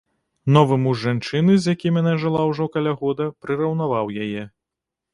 Новы муж жанчыны, з якім яна жыла ўжо каля года, прыраўнаваў яе.